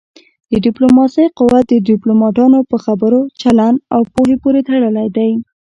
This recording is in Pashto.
د ډيپلوماسی قوت د ډيپلوماټانو په خبرو، چلند او پوهه پورې تړلی دی.